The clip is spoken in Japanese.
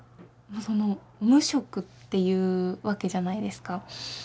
その無職っていうわけじゃないですか。